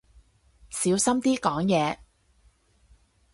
小心啲講嘢